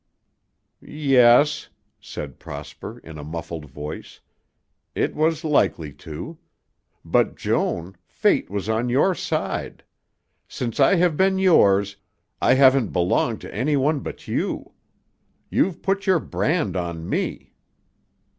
"Yes," said Prosper in a muffled voice, "it was likely to. But, Joan, Fate was on your side. Since I have been yours, I haven't belonged to any one but you. You've put your brand on me."